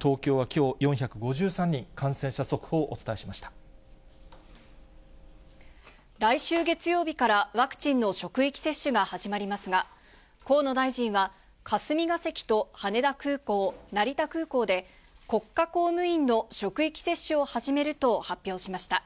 東京はきょう、４５３人、感染者来週月曜日から、ワクチンの職域接種が始まりますが、河野大臣は、霞が関と羽田空港、成田空港で、国家公務員の職域接種を始めると発表しました。